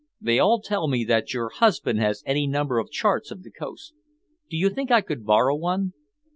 They all tell me that your husband has any number of charts of the coast. Do you think I could borrow one?"